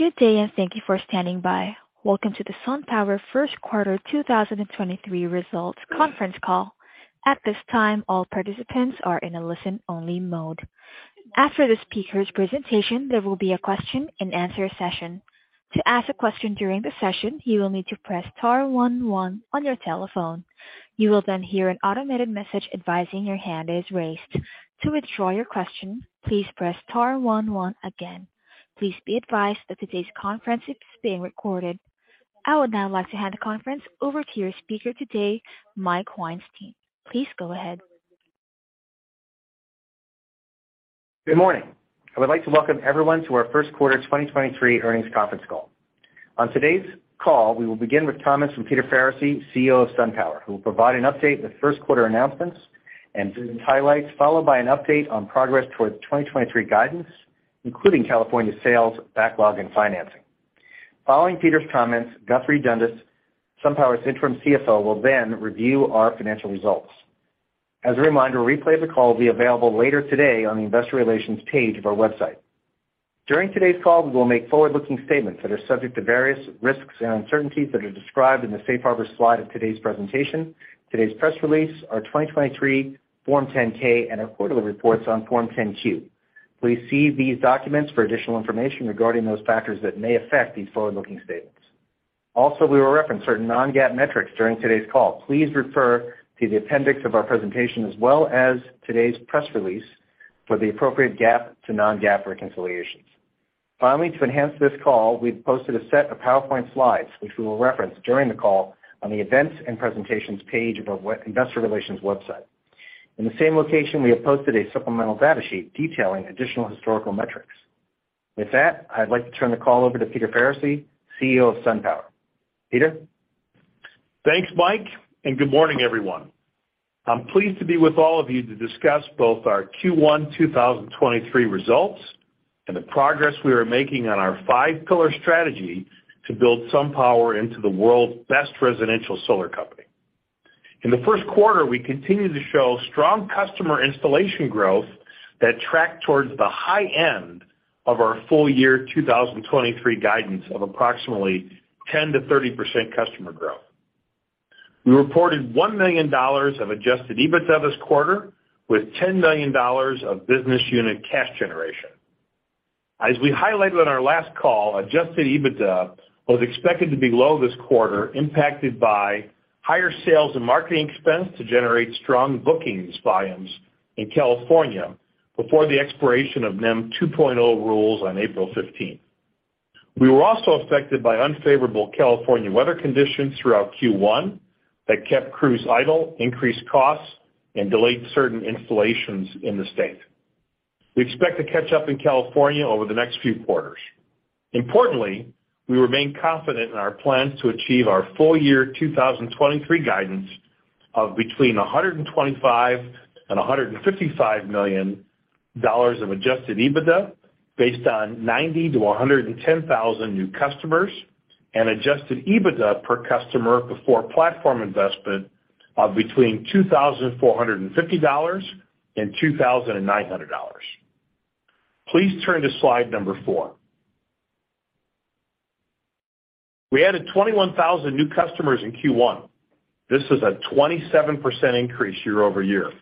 Good day, and thank you for standing by. Welcome to the SunPower First Quarter 2023 Results Conference Call. At this time, all participants are in a listen-only mode. After the speaker's presentation, there will be a question-and-answer session. To ask a question during the session, you will need to press star 11 on your telephone. You will hear an automated message advising your hand is raised. To withdraw your question, please press star 11 again. Please be advised that today's conference is being recorded. I would now like to hand the conference over to your speaker today, Mike Weinstein. Please go ahead. Good morning. I would like to welcome everyone to our first quarter 2023 earnings conference call. On today's call, we will begin with comments from Peter Faricy, CEO of SunPower, who will provide an update with first quarter announcements and business highlights, followed by an update on progress towards 2023 guidance, including California sales, backlog, and financing. Following Peter's comments, Guthrie Dundas, SunPower's interim CFO, will then review our financial results. As a reminder, a replay of the call will be available later today on the investor relations page of our website. During today's call, we will make forward-looking statements that are subject to various risks and uncertainties that are described in the safe harbor slide of today's presentation, today's press release, our 2023 Form 10-K, and our quarterly reports on Form 10-Q. Please see these documents for additional information regarding those factors that may affect these forward-looking statements. Also, we will reference certain non-GAAP metrics during today's call. Please refer to the appendix of our presentation as well as today's press release for the appropriate GAAP to non-GAAP reconciliations. Finally, to enhance this call, we've posted a set of PowerPoint slides, which we will reference during the call on the Events and Presentations page of our investor relations website. In the same location, we have posted a supplemental data sheet detailing additional historical metrics. With that, I'd like to turn the call over to Peter Faricy, CEO of SunPower. Peter. Thanks, Mike. Good morning, everyone. I'm pleased to be with all of you to discuss both our Q1 2023 results and the progress we are making on our five-pillar strategy to build SunPower into the world's best residential solar company. In the first quarter, we continued to show strong customer installation growth that tracked towards the high end of our full year 2023 guidance of approximately 10%-30% customer growth. We reported $1 million of Adjusted EBITDA this quarter, with $10 million of business unit cash generation. As we highlighted on our last call, Adjusted EBITDA was expected to be low this quarter, impacted by higher sales and marketing expense to generate strong bookings volumes in California before the expiration of NEM 2.0 rules on April 15th. We were also affected by unfavorable California weather conditions throughout Q1 that kept crews idle, increased costs, and delayed certain installations in the state. We expect to catch up in California over the next few quarters. Importantly, we remain confident in our plans to achieve our full year 2023 guidance of between $125 million and $155 million of Adjusted EBITDA based on 90,000-110,000 new customers and Adjusted EBITDA per customer before platform investment of between $2,450 and $2,900. Please turn to slide number four. We added 21,000 new customers in Q1. This is a 27% increase year-over-year.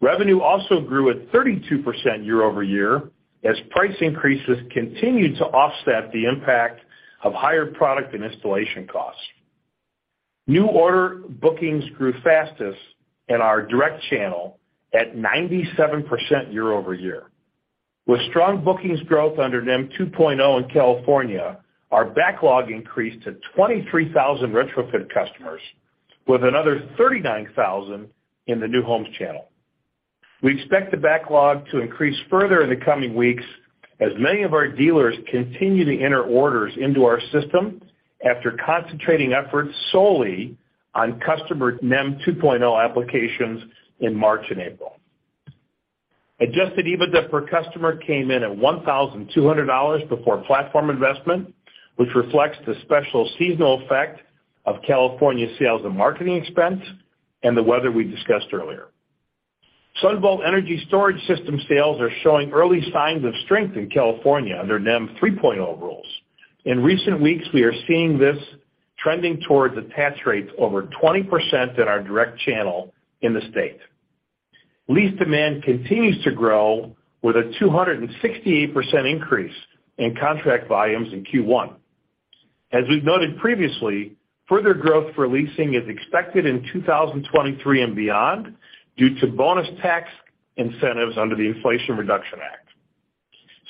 Revenue also grew at 32% year-over-year as price increases continued to offset the impact of higher product and installation costs. New order bookings grew fastest in our direct channel at 97% year-over-year. With strong bookings growth under NEM 2.0 in California, our backlog increased to 23,000 retrofit customers, with another 39,000 in the new homes channel. We expect the backlog to increase further in the coming weeks as many of our dealers continue to enter orders into our system after concentrating efforts solely on customer NEM 2.0 applications in March and April. Adjusted EBITDA per customer came in at $1,200 before platform investment, which reflects the special seasonal effect of California sales and marketing expense and the weather we discussed earlier. SunVault energy storage system sales are showing early signs of strength in California under NEM 3.0 rules. In recent weeks, we are seeing this trending towards attach rates over 20% in our direct channel in the state. Lease demand continues to grow with a 268% increase in contract volumes in Q1. As we've noted previously, further growth for leasing is expected in 2023 and beyond due to bonus tax incentives under the Inflation Reduction Act.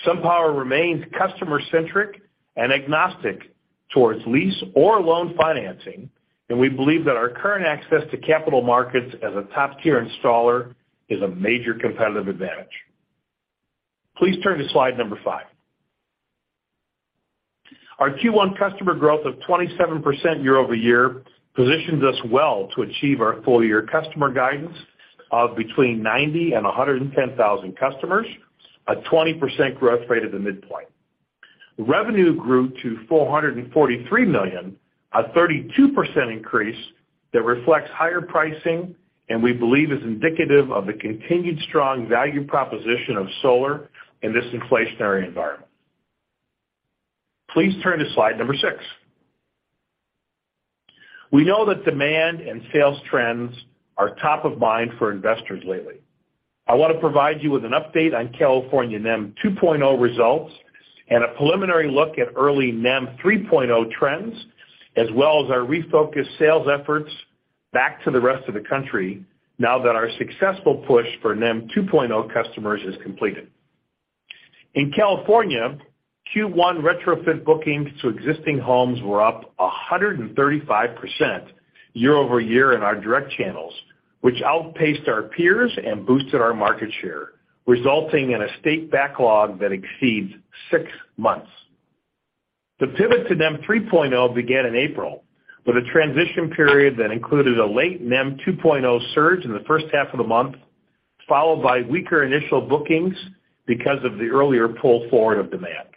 SunPower remains customer-centric and agnostic towards lease or loan financing, we believe that our current access to capital markets as a top-tier installer is a major competitive advantage. Please turn to slide number five. Our Q1 customer growth of 27% year-over-year positions us well to achieve our full year customer guidance of between 90,000 and 110,000 customers, a 20% growth rate at the midpoint. Revenue grew to $443 million, a 32% increase. That reflects higher pricing and we believe is indicative of the continued strong value proposition of solar in this inflationary environment. Please turn to slide number six. We know that demand and sales trends are top of mind for investors lately. I wanna provide you with an update on California NEM 2.0 results and a preliminary look at early NEM 3.0 trends, as well as our refocused sales efforts back to the rest of the country now that our successful push for NEM 2.0 customers is completed. In California, Q1 retrofit bookings to existing homes were up 135% year-over-year in our direct channels, which outpaced our peers and boosted our market share, resulting in a state backlog that exceeds six months. The pivot to NEM 3.0 began in April, with a transition period that included a late NEM 2.0 surge in the first half of the month, followed by weaker initial bookings because of the earlier pull forward of demand.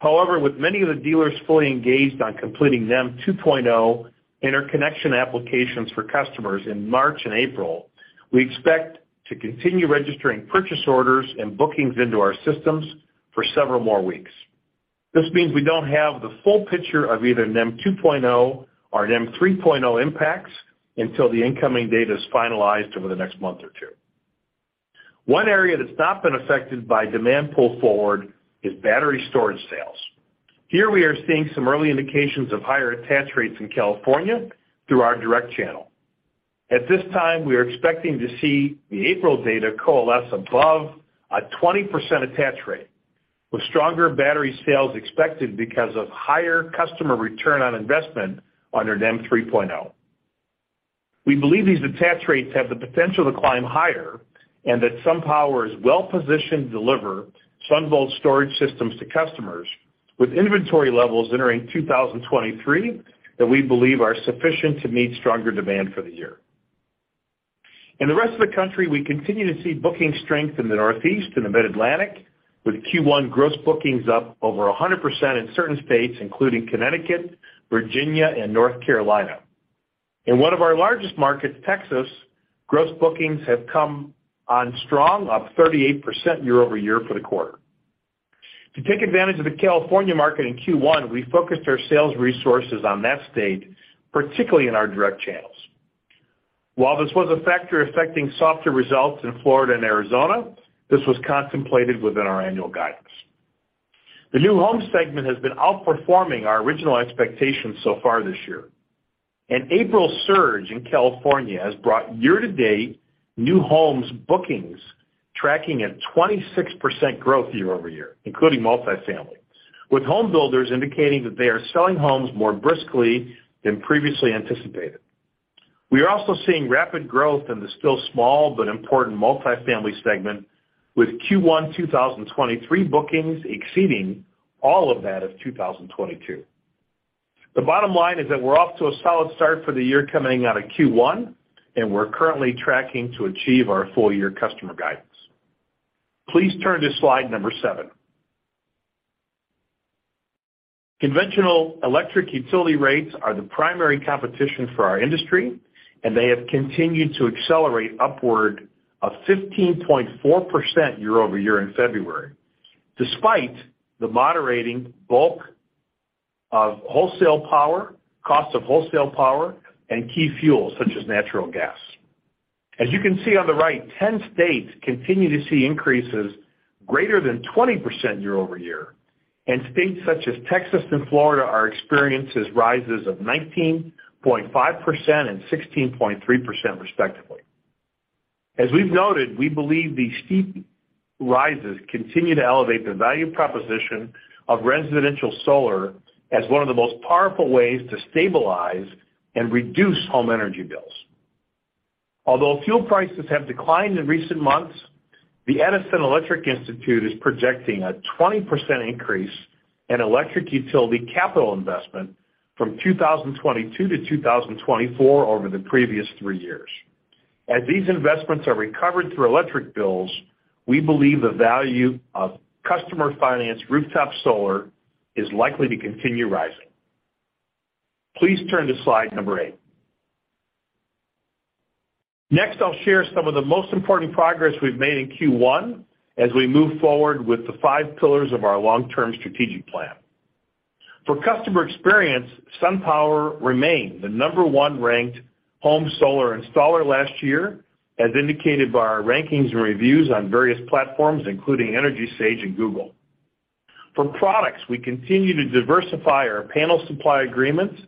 However, with many of the dealers fully engaged on completing NEM 2.0 interconnection applications for customers in March and April, we expect to continue registering purchase orders and bookings into our systems for several more weeks. This means we don't have the full picture of either NEM 2.0 or NEM 3.0 impacts until the incoming data is finalized over the next month or two. One area that's not been affected by demand pull forward is battery storage sales. Here we are seeing some early indications of higher attach rates in California through our direct channel. At this time, we are expecting to see the April data coalesce above a 20% attach rate, with stronger battery sales expected because of higher customer return on investment under NEM 3.0. We believe these attach rates have the potential to climb higher and that SunPower is well-positioned to deliver SunVault storage systems to customers with inventory levels entering 2023 that we believe are sufficient to meet stronger demand for the year. In the rest of the country, we continue to see booking strength in the Northeast and the Mid-Atlantic, with Q1 gross bookings up over 100% in certain states, including Connecticut, Virginia, and North Carolina. In one of our largest markets, Texas, gross bookings have come on strong, up 38% year-over-year for the quarter. To take advantage of the California market in Q1, we focused our sales resources on that state, particularly in our direct channels. While this was a factor affecting softer results in Florida and Arizona, this was contemplated within our annual guidance. The new home segment has been outperforming our original expectations so far this year. An April surge in California has brought year-to-date new homes bookings tracking at 26% growth year-over-year, including multifamily, with home builders indicating that they are selling homes more briskly than previously anticipated. We are also seeing rapid growth in the still small but important multifamily segment, with Q1 2023 bookings exceeding all of that of 2022. The bottom line is that we're off to a solid start for the year coming out of Q1, and we're currently tracking to achieve our full year customer guidance. Please turn to slide number seven. Conventional electric utility rates are the primary competition for our industry, they have continued to accelerate upward of 15.4% year-over-year in February, despite the moderating costs of wholesale power and key fuels such as natural gas. As you can see on the right, 10 states continue to see increases greater than 20% year-over-year, states such as Texas and Florida are experiences rises of 19.5% and 16.3% respectively. As we've noted, we believe these steep rises continue to elevate the value proposition of residential solar as one of the most powerful ways to stabilize and reduce home energy bills. Although fuel prices have declined in recent months, the Edison Electric Institute is projecting a 20% increase in electric utility capital investment from 2022 to 2024 over the previous three years. As these investments are recovered through electric bills, we believe the value of customer-financed rooftop solar is likely to continue rising. Please turn to slide number eight. Next, I'll share some of the most important progress we've made in Q1 as we move forward with the five pillars of our long-term strategic plan. For customer experience, SunPower remained the number one ranked home solar installer last year, as indicated by our rankings and reviews on various platforms, including EnergySage and Google. For products, we continue to diversify our panel supply agreements,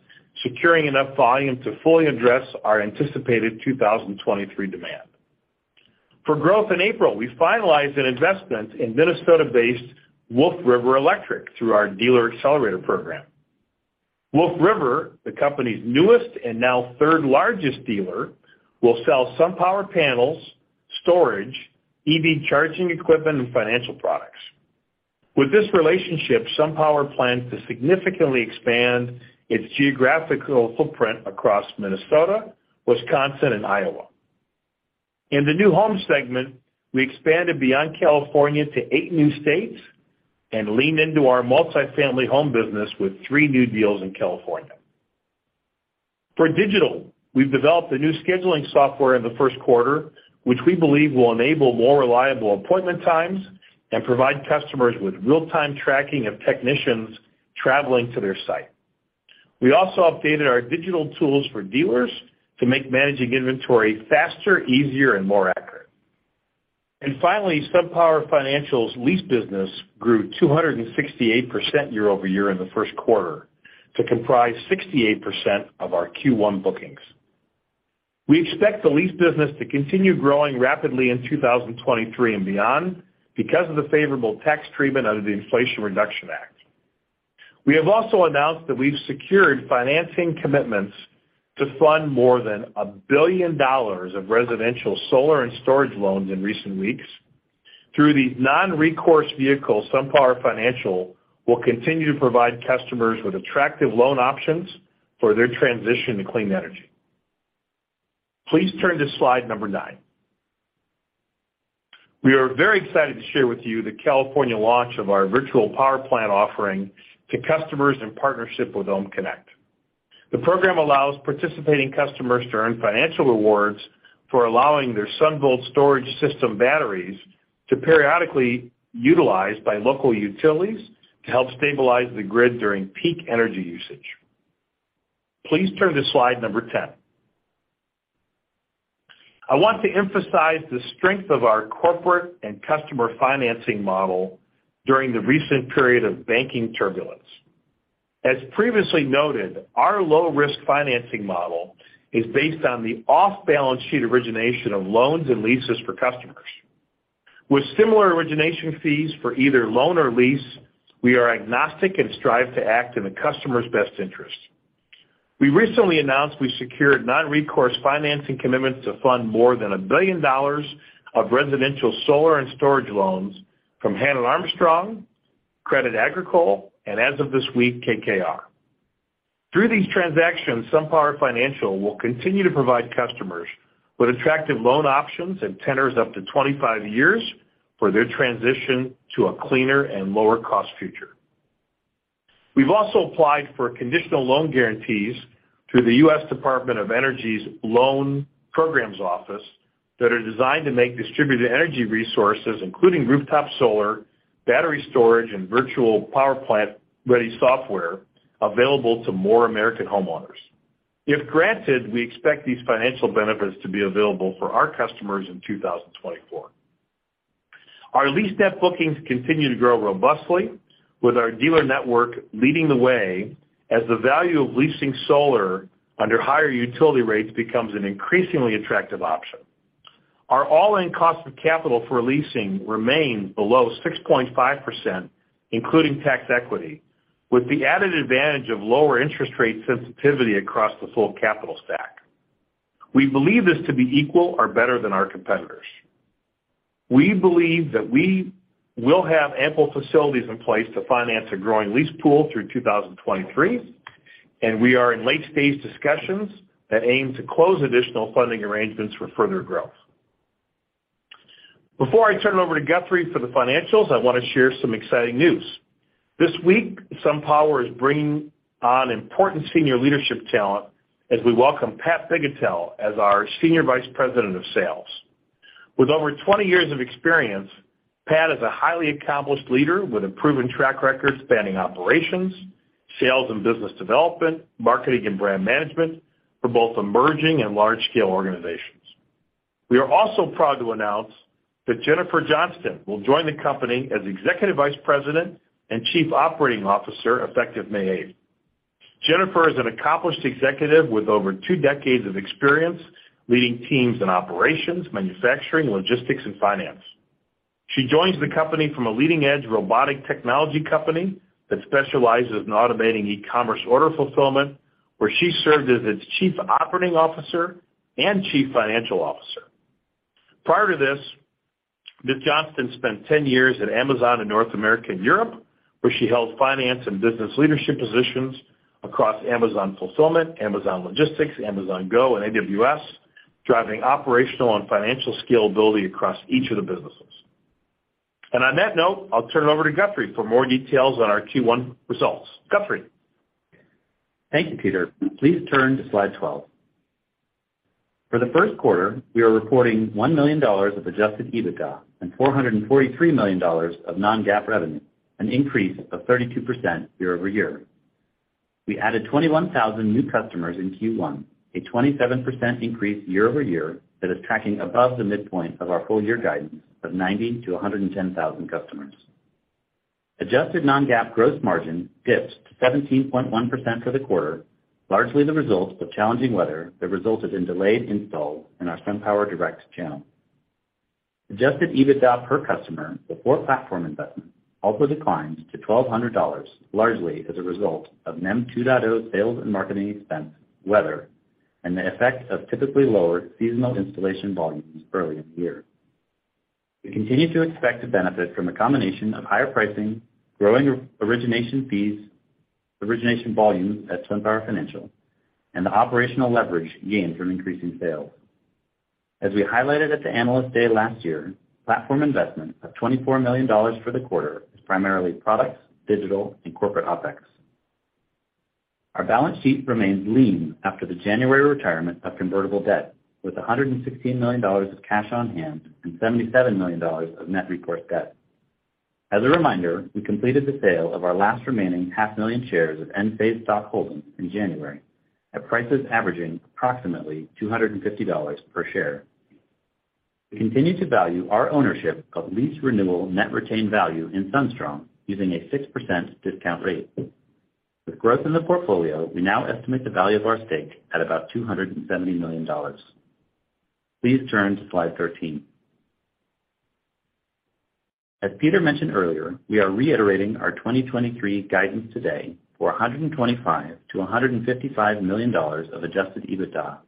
securing enough volume to fully address our anticipated 2023 demand. For growth in April, we finalized an investment in Minnesota-based Wolf River Electric through our Dealer Accelerator Program. Wolf River, the company's newest and now third-largest dealer, will sell SunPower panels, storage, EV charging equipment, and financial products. With this relationship, SunPower plans to significantly expand its geographical footprint across Minnesota, Wisconsin, and Iowa. In the new home segment, we expanded beyond California to eight new states and leaned into our multifamily home business with three new deals in California. For digital, we've developed a new scheduling software in the first quarter, which we believe will enable more reliable appointment times and provide customers with real-time tracking of technicians traveling to their site. We also updated our digital tools for dealers to make managing inventory faster, easier, and more accurate. Finally, SunPower Financial's lease business grew 268% year-over-year in the first quarter to comprise 68% of our Q1 bookings. We expect the lease business to continue growing rapidly in 2023 and beyond because of the favorable tax treatment under the Inflation Reduction Act. We have also announced that we've secured financing commitments to fund more than $1 billion of residential solar and storage loans in recent weeks. Through the non-recourse vehicle, SunPower Financial will continue to provide customers with attractive loan options for their transition to clean energy. Please turn to slide number nine. We are very excited to share with you the California launch of our virtual power plant offering to customers in partnership with OhmConnect. The program allows participating customers to earn financial rewards for allowing their SunVault storage system batteries to periodically utilized by local utilities to help stabilize the grid during peak energy usage. Please turn to slide number 10. I want to emphasize the strength of our corporate and customer financing model during the recent period of banking turbulence. As previously noted, our low-risk financing model is based on the off-balance sheet origination of loans and leases for customers. With similar origination fees for either loan or lease, we are agnostic and strive to act in the customer's best interest. We recently announced we secured non-recourse financing commitments to fund more than $1 billion of residential solar and storage loans from Hannon Armstrong, Crédit Agricole, as of this week, KKR. Through these transactions, SunPower Financial will continue to provide customers with attractive loan options and tenors up to 25 years for their transition to a cleaner and lower-cost future. We've also applied for conditional loan guarantees through the U.S. Department of Energy's Loan Programs Office that are designed to make distributed energy resources, including rooftop solar, battery storage, and virtual power plant-ready software available to more American homeowners. If granted, we expect these financial benefits to be available for our customers in 2024. Our lease net bookings continue to grow robustly with our dealer network leading the way as the value of leasing solar under higher utility rates becomes an increasingly attractive option. Our all-in cost of capital for leasing remains below 6.5%, including tax equity, with the added advantage of lower interest rate sensitivity across the full capital stack. We believe this to be equal or better than our competitors. We believe that we will have ample facilities in place to finance a growing lease pool through 2023. We are in late-stage discussions that aim to close additional funding arrangements for further growth. Before I turn it over to Guthrie for the financials, I want to share some exciting news. This week, SunPower is bringing on important senior leadership talent as we welco me Pat Figutell as our Senior Vice President of Sales. With over 20 years of experience, Pat is a highly accomplished leader with a proven track record spanning operations, sales and business development, marketing and brand management for both emerging and large-scale organizations. We are also proud to announce that Jennifer Johnston will join the company as Executive Vice President and Chief Operating Officer, effective May 8th. Jennifer is an accomplished executive with over two decades of experience leading teams in operations, manufacturing, logistics, and finance. She joins the company from a leading-edge robotic technology company that specializes in automating e-commerce order fulfillment, where she served as its Chief Operating Officer and Chief Financial Officer. Prior to this, Ms. Johnston spent 10 years at Amazon in North America and Europe, where she held finance and business leadership positions across Amazon Fulfillment, Amazon Logistics, Amazon Go, and AWS, driving operational and financial scalability across each of the businesses. On that note, I'll turn it over to Guthrie for more details on our Q1 results. Guthrie? Thank you, Peter. Please turn to slide 12. For the first quarter, we are reporting $1 million of Adjusted EBITDA and $443 million of non-GAAP revenue, an increase of 32% year-over-year. We added 21,000 new customers in Q1, a 27% increase year-over-year that is tracking above the midpoint of our full year guidance of 90,000-110,000 customers. Adjusted non-GAAP gross margin dipped to 17.1% for the quarter, largely the result of challenging weather that resulted in delayed installs in our SunPower Direct channel. Adjusted EBITDA per customer before platform investment also declined to $1,200, largely as a result of NEM 2.0 sales and marketing expense, weather, and the effect of typically lower seasonal installation volumes early in the year. We continue to expect to benefit from a combination of higher pricing, growing origination fees, origination volumes at SunPower Financial, and the operational leverage gained from increasing sales. As we highlighted at the Analyst Day last year, platform investment of $24 million for the quarter is primarily products, digital, and corporate OpEx. Our balance sheet remains lean after the January retirement of convertible debt with $116 million of cash on hand and $77 million of net report debt. As a reminder, we completed the sale of our last remaining half million shares of Enphase stock holdings in January at prices averaging approximately $250 per share. We continue to value our ownership of lease renewal net retained value in SunStrong using a 6% discount rate. With growth in the portfolio, we now estimate the value of our stake at about $270 million. Please turn to slide 13. As Peter mentioned earlier, we are reiterating our 2023 guidance today for $125 million-$155 million of Adjusted EBITDA,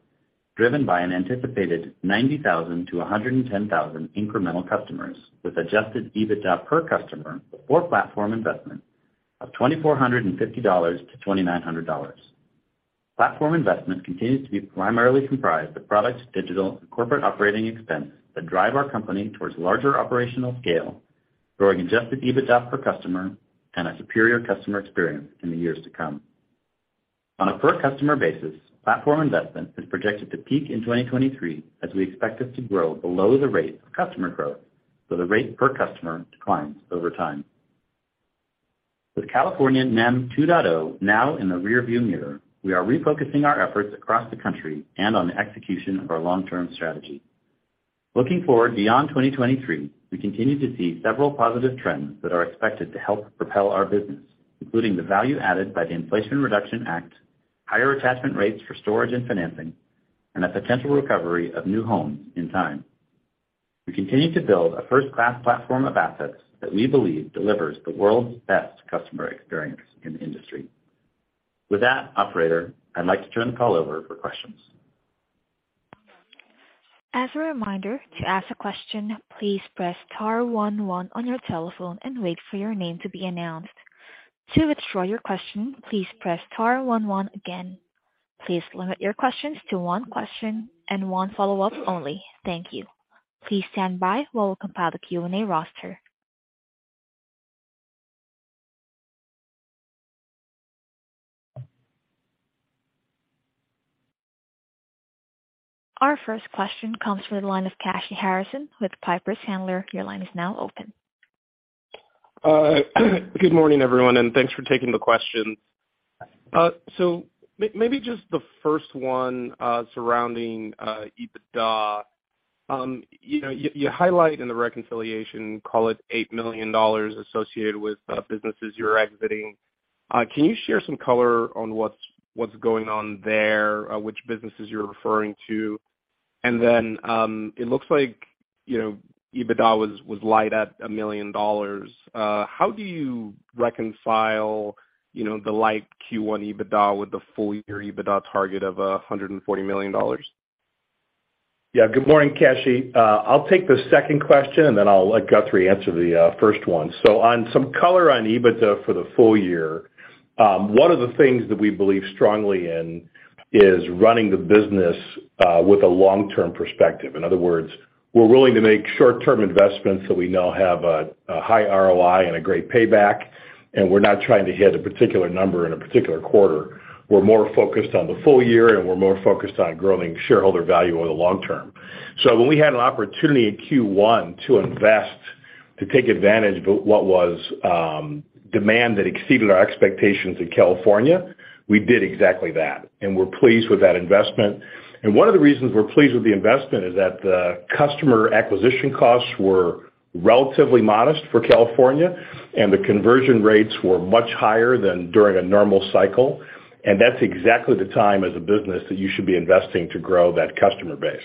driven by an anticipated 90,000-110,000 incremental customers, with Adjusted EBITDA per customer before platform investment of $2,450-$2,900. Platform investments continue to be primarily comprised of products, digital, and corporate operating expense that drive our company towards larger operational scale, growing Adjusted EBITDA per customer and a superior customer experience in the years to come. On a per customer basis, platform investment is projected to peak in 2023 as we expect it to grow below the rate of customer growth, so the rate per customer declines over time. With California NEM 2.0 now in the rear-view mirror, we are refocusing our efforts across the country and on the execution of our long-term strategy. Looking forward beyond 2023, we continue to see several positive trends that are expected to help propel our business, including the value added by the Inflation Reduction Act, higher attachment rates for storage and financing, and a potential recovery of new homes in time. We continue to build a first-class platform of assets that we believe delivers the world's best customer experience in the industry. With that, operator, I'd like to turn the call over for questions. As a reminder, to ask a question, please press star one one on your telephone and wait for your name to be announced. To withdraw your question, please press star one one again. Please limit your questions to one question and one follow-up only. Thank you. Please stand by while we compile the Q&A roster. Our first question comes from the line of KashyHarrison with Piper Sandler. Your line is now open. Good morning, everyone, thanks for taking the questions. Just the first one surrounding EBITDA. You know, you highlight in the reconciliation, call it $8 million associated with businesses you're exiting. Can you share some color on what's going on there, which businesses you're referring to? It looks like, you know, EBITDA was light at $1 million. How do you reconcile, you know, the light Q1 EBITDA with the full year EBITDA target of $140 million? Good morning, Kashy. I'll take the second question, and then I'll let Guthrie answer the first one. On some color on EBITDA for the full year, one of the things that we believe strongly in is running the business with a long-term perspective. In other words, we're willing to make short-term investments that we know have a high ROI and a great payback, and we're not trying to hit a particular number in a particular quarter. We're more focused on the full year, and we're more focused on growing shareholder value over the long term. When we had an opportunity in Q1 to invest to take advantage of what was demand that exceeded our expectations in California, we did exactly that, and we're pleased with that investment. One of the reasons we're pleased with the investment is that the customer acquisition costs were relatively modest for California, and the conversion rates were much higher than during a normal cycle. That's exactly the time as a business that you should be investing to grow that customer base.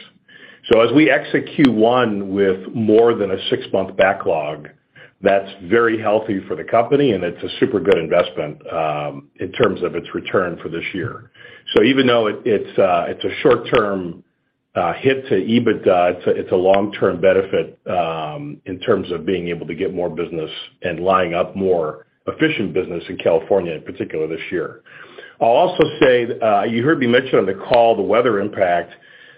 As we exit Q1 with more than a 6-month backlog, that's very healthy for the company, and it's a super good investment in terms of its return for this year. Even though it's a short term hit to EBITDA, it's a long-term benefit in terms of being able to get more business and lining up more efficient business in California in particular this year. I'll also say, you heard me mention on the call the weather impact.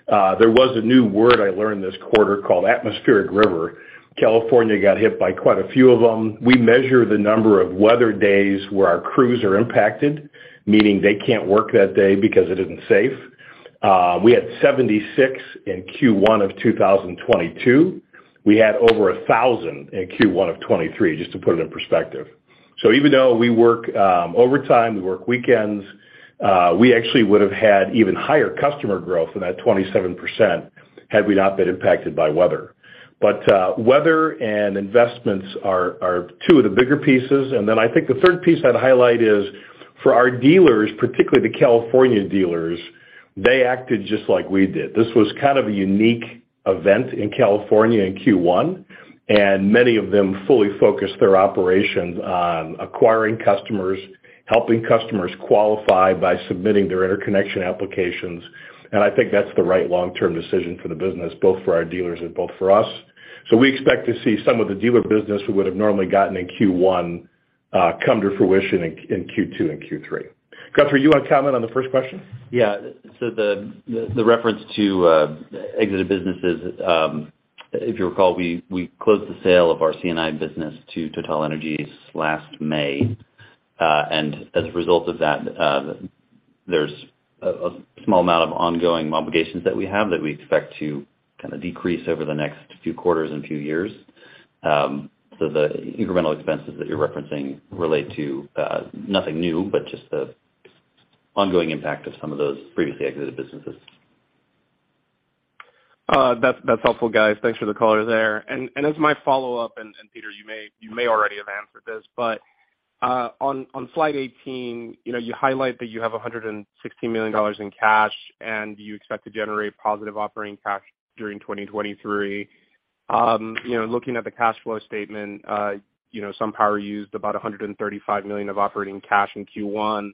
There was a new word I learned this quarter called atmospheric river. California got hit by quite a few of them. We measure the number of weather days where our crews are impacted, meaning they can't work that day because it isn't safe. We had 76 in Q1 of 2022. We had over 1,000 in Q1 of 2023, just to put it in perspective. Even though we work overtime, we work weekends, we actually would have had even higher customer growth than that 27% had we not been impacted by weather. Weather and investments are two of the bigger pieces. I think the third piece I'd highlight is for our dealers, particularly the California dealers, they acted just like we did. This was kind of a unique event in California in Q1, and many of them fully focused their operations on acquiring customers, helping customers qualify by submitting their interconnection applications. I think that's the right long-term decision for the business, both for our dealers and both for us. We expect to see some of the dealer business we would have normally gotten in Q1 come to fruition in Q2 and Q3. Guthrie, you want to comment on the first question? The reference to exited businesses, if you recall, we closed the sale of our C&I business to TotalEnergies last May. As a result of that, there's a small amount of ongoing obligations that we have that we expect to kind of decrease over the next few quarters and few years. The incremental expenses that you're referencing relate to nothing new, but just the ongoing impact of some of those previously exited businesses. That's helpful, guys. Thanks for the color there. As my follow-up, Peter, you may already have answered this, but on slide 18, you know, you highlight that you have $160 million in cash, and you expect to generate positive operating cash during 2023. You know, looking at the cash flow statement, you know, SunPower used about $135 million of operating cash in Q1.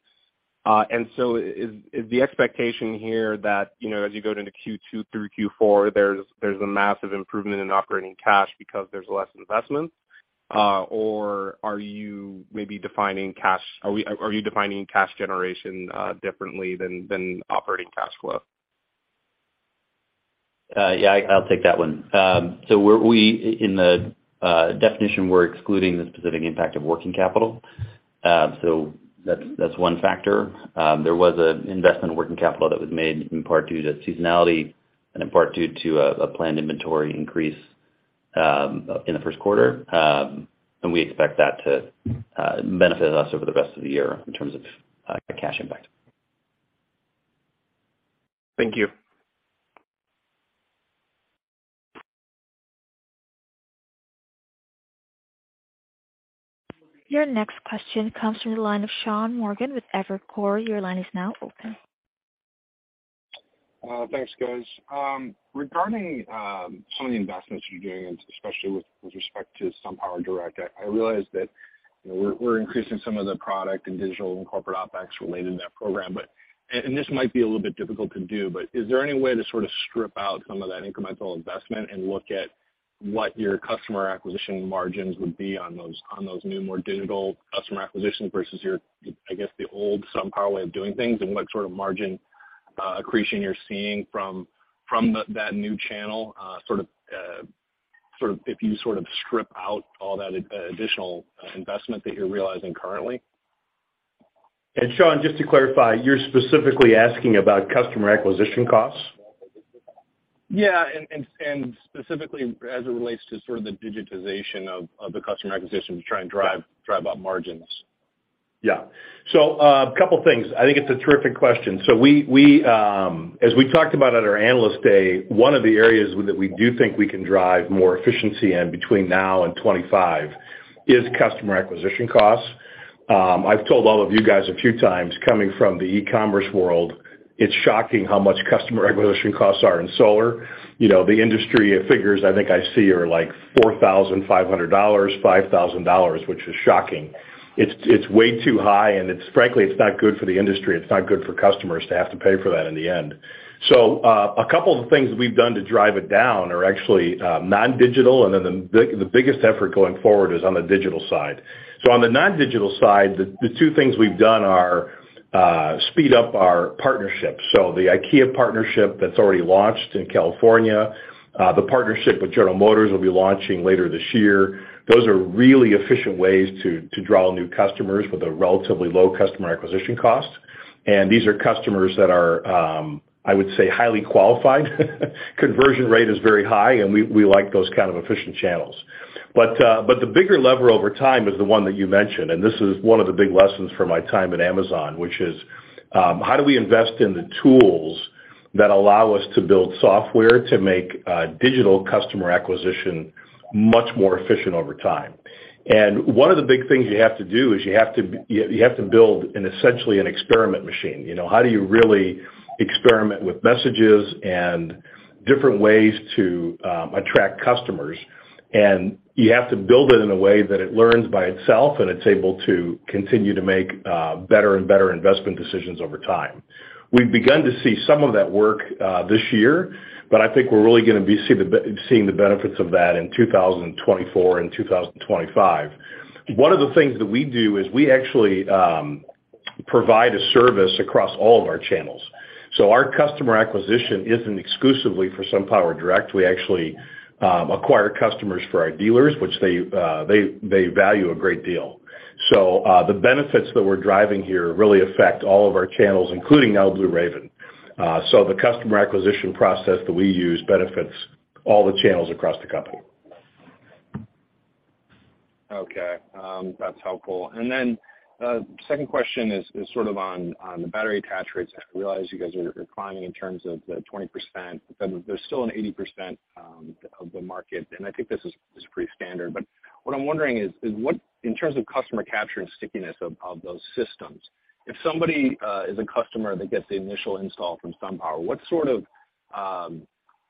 Is the expectation here that, you know, as you go into Q2 through Q4, there's a massive improvement in operating cash because there's less investment? Or are you maybe defining cash generation differently than operating cash flow? Yeah, I'll take that one. In the definition, we're excluding the specific impact of working capital. That's one factor. There was an investment in working capital that was made in part due to seasonality and in part due to a planned inventory increase in the first quarter. And we expect that to benefit us over the rest of the year in terms of cash impact. Thank you. Your next question comes from the line of Sean Morgan with Evercore. Your line is now open. Thanks, guys. Regarding some of the investments you're doing, and especially with respect to SunPower Direct, I realize that, you know, we're increasing some of the product and digital and corporate OpEx related to that program. This might be a little bit difficult to do, but is there any way to sort of strip out some of that incremental investment and look at what your customer acquisition margins would be on those new, more digital customer acquisitions versus your, I guess, the old SunPower way of doing things, and what sort of margin accretion you're seeing from that new channel, if you sort of strip out all that additional investment that you're realizing currently? Sean, just to clarify, you're specifically asking about customer acquisition costs? Yeah. Specifically as it relates to sort of the digitization of the customer acquisition to try and drive up margins. A couple things. I think it's a terrific question. We, as we talked about at our Analyst Day, one of the areas that we do think we can drive more efficiency in between now and 25 is customer acquisition costs. I've told all of you guys a few times, coming from the E-commerce world, it's shocking how much customer acquisition costs are in solar. You know, the industry figures I think I see are like $4,500, $5,000, which is shocking. It's way too high, it's frankly, it's not good for the industry. It's not good for customers to have to pay for that in the end. A couple of things we've done to drive it down are actually non-digital, and then the biggest effort going forward is on the digital side. On the non-digital side, the two things we've done are speed up our partnerships. The IKEA partnership that's already launched in California, the partnership with General Motors will be launching later this year. Those are really efficient ways to draw new customers with a relatively low customer acquisition cost. These are customers that are, I would say, highly qualified. Conversion rate is very high, and we like those kind of efficient channels. The bigger lever over time is the one that you mentioned, and this is one of the big lessons from my time at Amazon, which is, how do we invest in the tools that allow us to build software to make digital customer acquisition much more efficient over time. One of the big things you have to do is you have to build an essentially an experiment machine. You know, how do you really experiment with messages and different ways to attract customers? You have to build it in a way that it learns by itself, and it's able to continue to make better and better investment decisions over time. We've begun to see some of that work this year, but I think we're really gonna be seeing the benefits of that in 2024 and 2025. One of the things that we do is we actually provide a service across all of our channels. Our customer acquisition isn't exclusively for SunPower Direct. We actually acquire customers for our dealers, which they value a great deal. The benefits that we're driving here really affect all of our channels, including now Blue Raven. The customer acquisition process that we use benefits all the channels across the company. Okay. That's helpful. Second question is sort of on the battery attach rates. I realize you guys are declining in terms of the 20%, but there's still an 80% of the market, and I think this is pretty standard. What I'm wondering is what, in terms of customer capture and stickiness of those systems, if somebody is a customer that gets the initial install from SunPower, what sort of,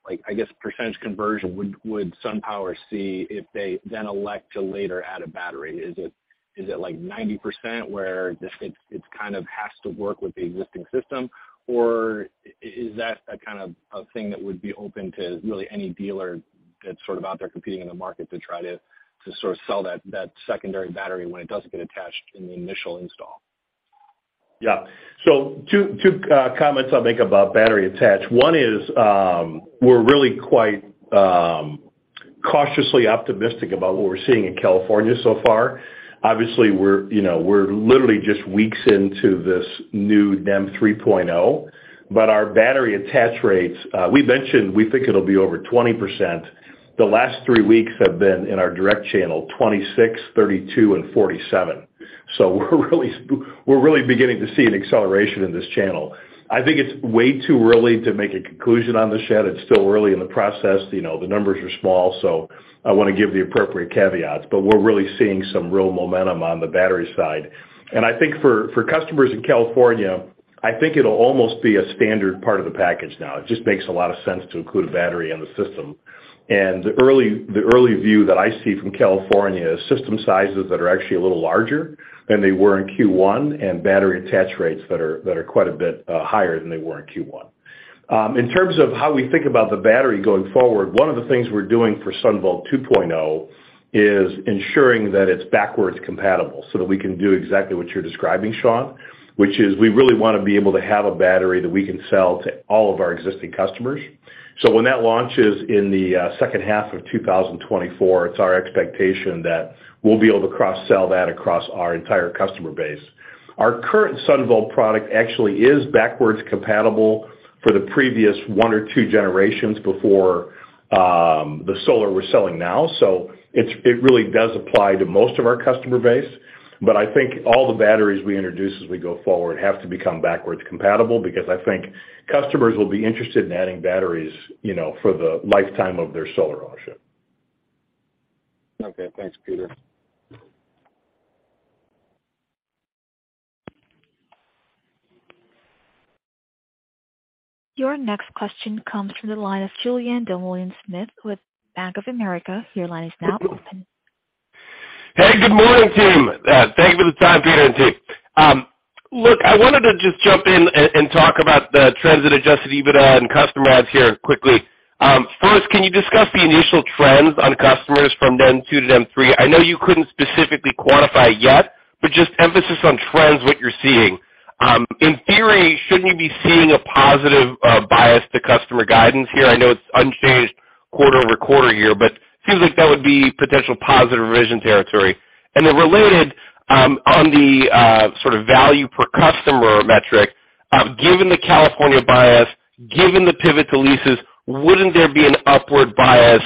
like, I guess, percentage conversion would SunPower see if they then elect to later add a battery? Is it like 90% where just it's kind of has to work with the existing system? Is that a kind of a thing that would be open to really any dealer that's sort of out there competing in the market to try to sort of sell that secondary battery when it doesn't get attached in the initial install? 2 comments I'll make about battery attach. One is, we're really quite cautiously optimistic about what we're seeing in California so far. We're, you know, we're literally just weeks into this new NEM 3.0, our battery attach rates, we mentioned we think it'll be over 20%. The last three weeks have been in our direct channel, 26, 32, and 47. We're really beginning to see an acceleration in this channel. I think it's way too early to make a conclusion on this, Chad. It's still early in the process. You know, the numbers are small, I wanna give the appropriate caveats. We're really seeing some real momentum on the battery side. I think for customers in California, I think it'll almost be a standard part of the package now. It just makes a lot of sense to include a battery in the system. The early view that I see from California is system sizes that are actually a little larger than they were in Q1 and battery attach rates that are quite a bit higher than they were in Q1. In terms of how we think about the battery going forward, one of the things we're doing for SunVault 2.0 is ensuring that it's backwards compatible so that we can do exactly what you're describing, Sean, which is we really wanna be able to have a battery that we can sell to all of our existing customers. When that launches in the second half of 2024, it's our expectation that we'll be able to cross-sell that across our entire customer base. Our current SunVault product actually is backwards compatible for the previous one or two generations before, the solar we're selling now. It really does apply to most of our customer base. I think all the batteries we introduce as we go forward have to become backwards compatible because I think customers will be interested in adding batteries, you know, for the lifetime of their solar ownership. Okay. Thanks, Peter. Your next question comes from the line of Julien Dumoulin-Smith with Bank of America. Your line is now open. Hey, good morning, team. Thank you for the time, Peter and team. Look, I wanted to just jump in and talk about the trends at Adjusted EBITDA and customer adds here quickly. First, can you discuss the initial trends on customers from NEM 2.0-NEM 3.0? I know you couldn't specifically quantify it yet, but just emphasis on trends, what you're seeing. In theory, shouldn't you be seeing a positive bias to customer guidance here? I know it's unchanged quarter-over-quarter here, but seems like that would be potential positive revision territory. Related, on the sort of value per customer metric, given the California bias, given the pivot to leases, wouldn't there be an upward bias,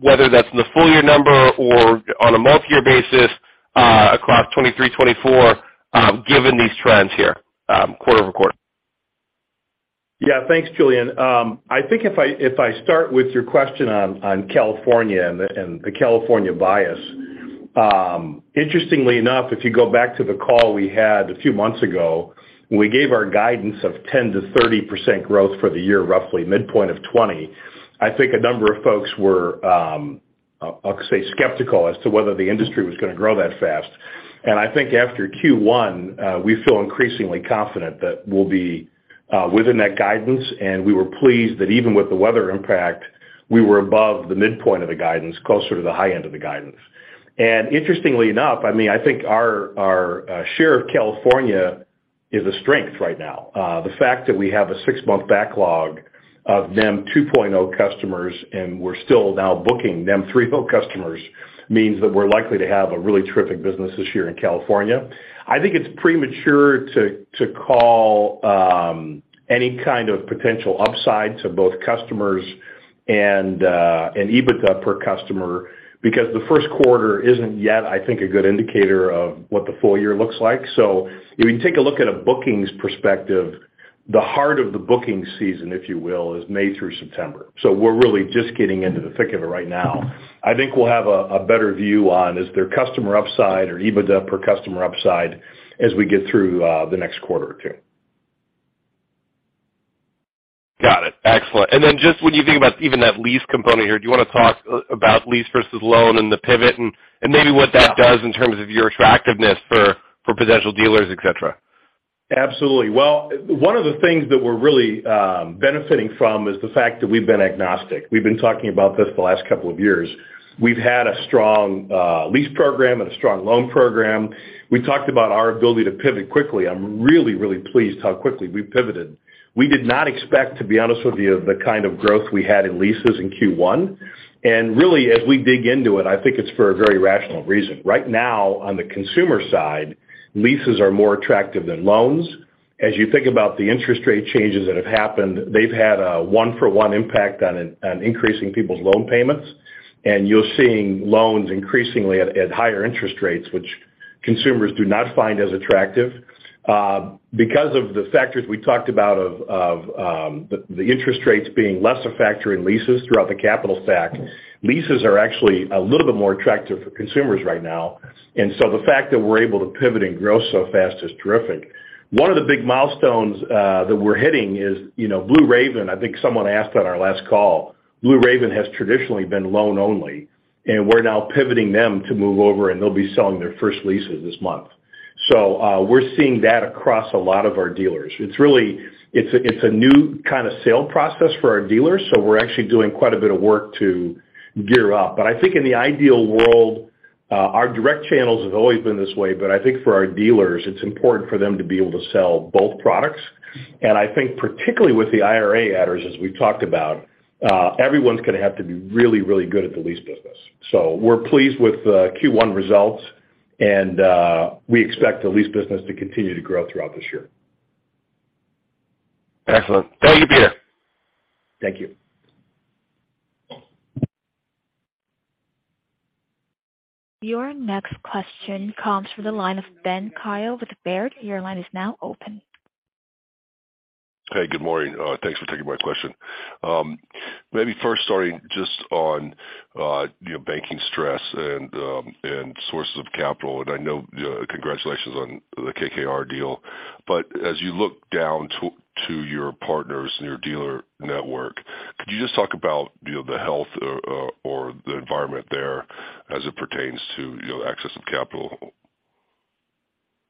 whether that's in the full year number or on a multi-year basis, across 2023, 2024, given these trends here, quarter-over-quarter? Thanks, Julianne. I think if I start with your question on California and the California bias, interestingly enough, if you go back to the call we had a few months ago, when we gave our guidance of 10%-30% growth for the year, roughly midpoint of 20, I think a number of folks were, I'll say skeptical as to whether the industry was gonna grow that fast. I think after Q1, we feel increasingly confident that we'll be within that guidance, and we were pleased that even with the weather impact, we were above the midpoint of the guidance, closer to the high end of the guidance. Interestingly enough, I mean, I think our share of California is a strength right now. The fact that we have a six-month backlog of NEM 2.0 customers, we're still now booking NEM 3.0 customers means that we're likely to have a really terrific business this year in California. I think it's premature to call any kind of potential upside to both customers and EBITDA per customer because the first quarter isn't yet, I think, a good indicator of what the full year looks like. If you take a look at a bookings perspective, the heart of the booking season, if you will, is May through September. We're really just getting into the thick of it right now. I think we'll have a better view on is there customer upside or EBITDA per customer upside as we get through the next quarter or two. Got it. Excellent. Then just when you think about even that lease component here, do you wanna talk about lease versus loan and the pivot and maybe what that does in terms of your attractiveness for potential dealers, et cetera? Absolutely. Well, one of the things that we're really benefiting from is the fact that we've been agnostic. We've been talking about this the last couple of years. We've had a strong lease program and a strong loan program. We talked about our ability to pivot quickly. I'm really pleased how quickly we pivoted. We did not expect, to be honest with you, the kind of growth we had in leases in Q1. Really, as we dig into it, I think it's for a very rational reason. Right now, on the consumer side, leases are more attractive than loans. As you think about the interest rate changes that have happened, they've had a one-for-one impact on increasing people's loan payments. You're seeing loans increasingly at higher interest rates, which consumers do not find as attractive. Because of the factors we talked about of the interest rates being less a factor in leases throughout the capital stack, leases are actually a little bit more attractive for consumers right now. The fact that we're able to pivot and grow so fast is terrific. One of the big milestones that we're hitting is, you know, Blue Raven, I think someone asked on our last call. Blue Raven has traditionally been loan only. We're now pivoting them to move over, and they'll be selling their first leases this month. We're seeing that across a lot of our dealers. It's really, it's a new kinda sale process for our dealers. We're actually doing quite a bit of work to gear up. I think in the ideal world, our direct channels have always been this way, but I think for our dealers, it's important for them to be able to sell both products. I think particularly with the IRA adders, as we've talked about, everyone's gonna have to be really good at the lease business. We're pleased with the Q1 results, and we expect the lease business to continue to grow throughout this year. Excellent. Thank you, Peter. Thank you. Your next question comes from the line of Ben Kallo with Baird. Your line is now open. Hey, good morning. Thanks for taking my question. Maybe first starting just on, you know, banking stress and sources of capital. I know, congratulations on the KKR deal. As you look down to your partners and your dealer network, could you just talk about, you know, the health or the environment there as it pertains to, you know, access of capital?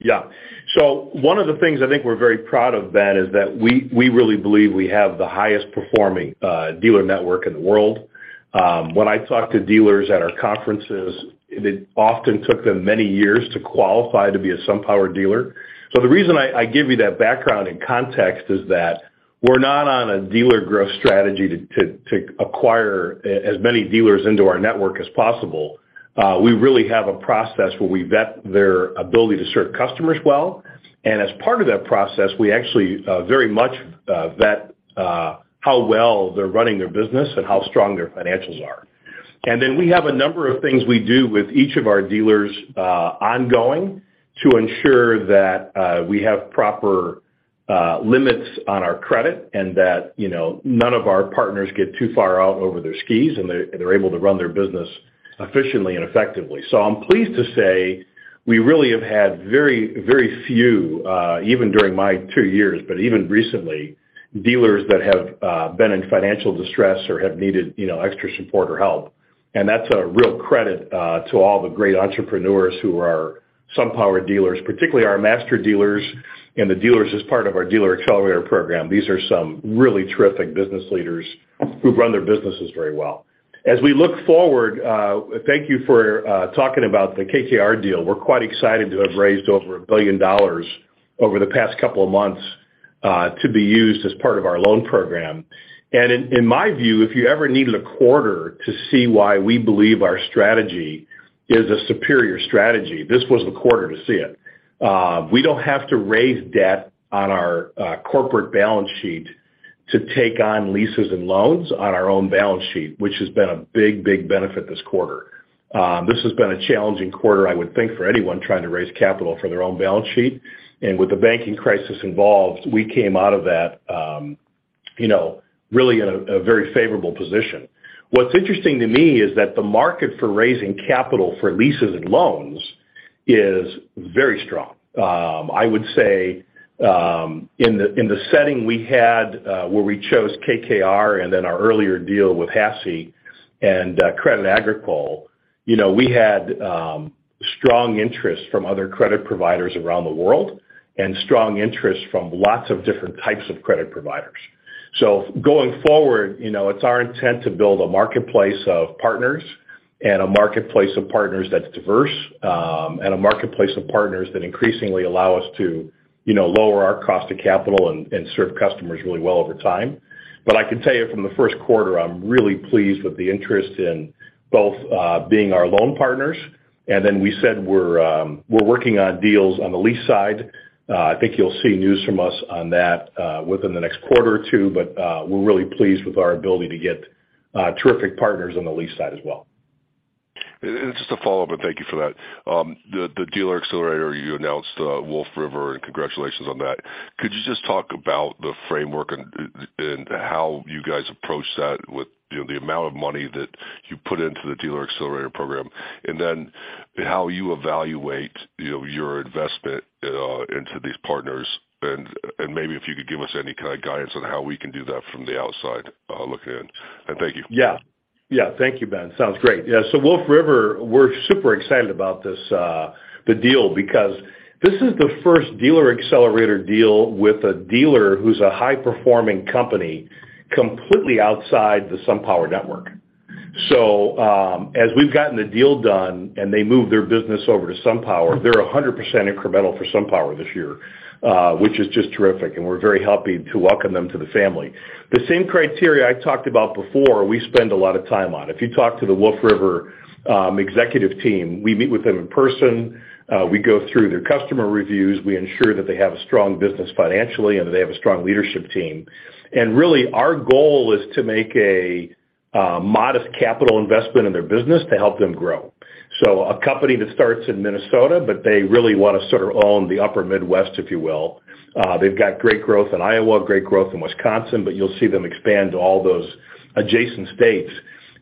One of the things I think we're very proud of, Ben, is that we really believe we have the highest performing dealer network in the world. When I talk to dealers at our conferences, it often took them many years to qualify to be a SunPower dealer. The reason I give you that background and context is that we're not on a dealer growth strategy to acquire as many dealers into our network as possible. We really have a process where we vet their ability to serve customers well. As part of that process, we actually very much vet how well they're running their business and how strong their financials are. We have a number of things we do with each of our dealers, ongoing to ensure that we have proper limits on our credit and that, you know, none of our partners get too far out over their skis, and they're able to run their business efficiently and effectively. I'm pleased to say we really have had very, very few, even during my two years, but even recently, dealers that have been in financial distress or have needed, you know, extra support or help. That's a real credit to all the great entrepreneurs who are SunPower dealers, particularly our master dealers and the dealers as part of our Dealer Accelerator Program. These are some really terrific business leaders who run their businesses very well. As we look forward, thank you for talking about the KKR deal. We're quite excited to have raised over $1 billion over the past couple of months to be used as part of our loan program. In my view, if you ever needed a quarter to see why we believe our strategy is a superior strategy, this was the quarter to see it. We don't have to raise debt on our corporate balance sheet to take on leases and loans on our own balance sheet, which has been a big benefit this quarter. This has been a challenging quarter, I would think, for anyone trying to raise capital for their own balance sheet. With the banking crisis involved, we came out of that, you know, really in a very favorable position. What's interesting to me is that the market for raising capital for leases and loans is very strong. I would say, in the setting we had, where we chose KKR and then our earlier deal with HASI and Crédit Agricole, you know, we had strong interest from other credit providers around the world and strong interest from lots of different types of credit providers. Going forward, you know, it's our intent to build a marketplace of partners and a marketplace of partners that's diverse, and a marketplace of partners that increasingly allow us to, you know, lower our cost of capital and serve customers really well over time. I can tell you from the first quarter, I'm really pleased with the interest in both being our loan partners, and then we said we're working on deals on the lease side. I think you'll see news from us on that, within the next quarter or 2, but we're really pleased with our ability to get terrific partners on the lease side as well. Just a follow-up, and thank you for that. The Dealer Accelerator, you announced Wolf River, and congratulations on that. Could you just talk about the framework and how you guys approach that with, you know, the amount of money that you put into the Dealer Accelerator Program? Then how you evaluate, you know, your investment into these partners? Maybe if you could give us any kind of guidance on how we can do that from the outside, looking in. Thank you. Thank you, Ben. Sounds great. Wolf River, we're super excited about this, the deal because this is the first Dealer Accelerator deal with a dealer who's a high-performing company completely outside the SunPower network. As we've gotten the deal done and they move their business over to SunPower, they're 100% incremental for SunPower this year, which is just terrific, and we're very happy to welcome them to the family. The same criteria I talked about before, we spend a lot of time on. If you talk to the Wolf River, executive team, we meet with them in person, we go through their customer reviews, we ensure that they have a strong business financially and that they have a strong leadership team. Really, our goal is to make a modest capital investment in their business to help them grow. A company that starts in Minnesota, but they really wanna sort of own the upper Midwest, if you will. They've got great growth in Iowa, great growth in Wisconsin, but you'll see them expand to all those adjacent states.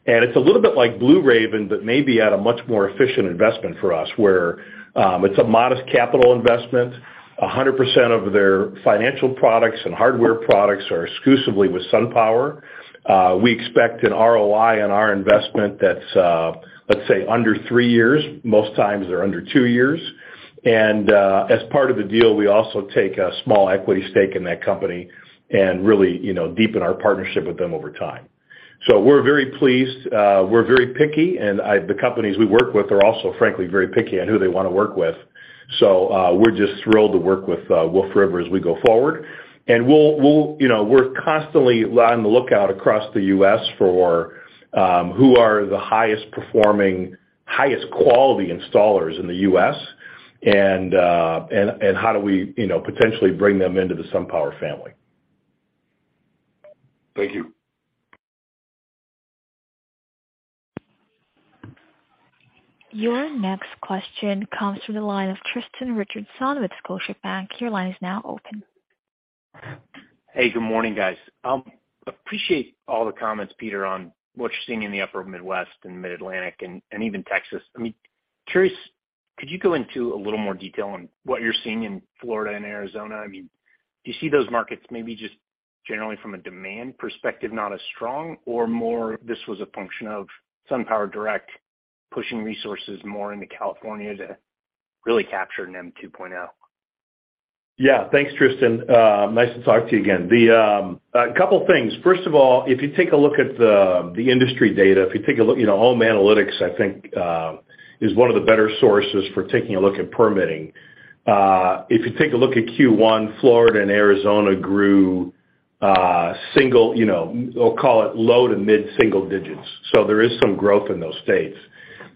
It's a little bit like Blue Raven, but maybe at a much more efficient investment for us, where it's a modest capital investment. 100% of their financial products and hardware products are exclusively with SunPower. We expect an ROI on our investment that's let's say under 3 years, most times they're under 2 years. As part of the deal, we also take a small equity stake in that company and really, you know, deepen our partnership with them over time. We're very pleased. We're very picky, and the companies we work with are also, frankly, very picky on who they wanna work with. We're just thrilled to work with Wolf River as we go forward. You know, we're constantly on the lookout across the U.S. for who are the highest performing, highest quality installers in the U.S., and how do we, you know, potentially bring them into the SunPower family. Thank you. Your next question comes from the line of Tristan Richardson with Scotiabank. Your line is now open. Hey, good morning, guys. Appreciate all the comments, Peter, on what you're seeing in the upper Midwest and Mid-Atlantic and even Texas. I mean, curious, could you go into a little more detail on what you're seeing in Florida and Arizona? I mean, do you see those markets maybe just generally from a demand perspective, not as strong or more, this was a function of SunPower Direct pushing resources more into California to really capture NEM 2.0? Thanks, Tristan. Nice to talk to you again. A couple things. First of all, if you take a look at the industry data, if you take a look, you know, Ohm Analytics, I think, is one of the better sources for taking a look at permitting. If you take a look at Q1, Florida and Arizona grew, single, you know, we'll call it low to mid-single digits. There is some growth in those states.